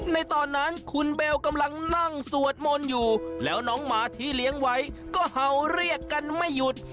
ในตอนนั้นคุณเบลกำลังนั่งสวดมนต์อยู่แล้วน้องหมาที่เลี้ยงไว้ก็เห่าเรียกกันไม่หยุด